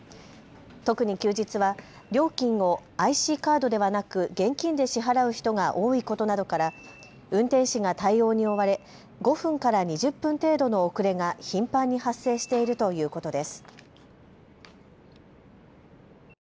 特に休日は料金をＩＣカードではなく現金で支払う人が多いことなどから運転士が対応に追われ５分から２０分程度の遅れが頻繁に発生しているということです。